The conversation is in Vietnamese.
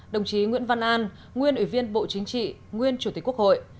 đồng chí nguyễn văn an nguyên ủy viên bộ chính trị nguyên chủ tịch quốc hội